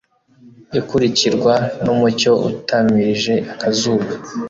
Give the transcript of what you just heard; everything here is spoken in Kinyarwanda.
ikurikirwa n'umucyo utamirije akazuba